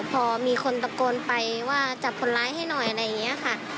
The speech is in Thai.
พอมีคนตะโกนไปว่าจับคนร้ายให้หน่อยอะไรอย่างนี้ค่ะ